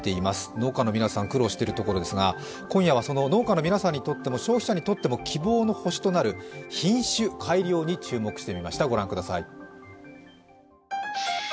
農家の皆さん、苦労しているところですが、今夜はその農家の皆さんにとっても消費者にとっても希望の星となる品種改良に注目してみました、御覧ください。